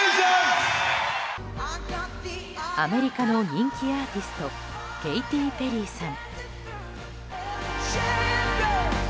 アメリカの人気アーティストケイティ・ペリーさん。